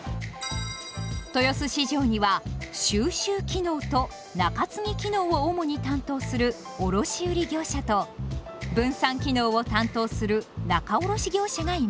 豊洲市場には「収集機能」と「仲継機能」を主に担当する「卸売業者」と「分散機能」を担当する「仲卸業者」がいます。